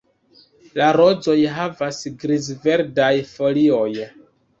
La rozoj havas griz-verdaj folioj.